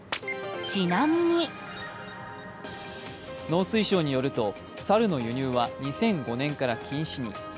農水省によると、猿の輸入は２００５年から禁止に。